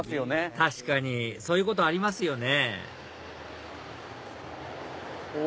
確かにそういうことありますよねうわ